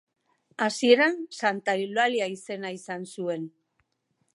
Hasieran Santa Eulalia izena izan zuen.